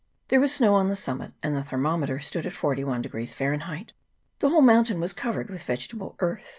There was snow on the summit, and the thermometer stood at 41 Fahrenheit. The whole mountain was covered with vegetable earth.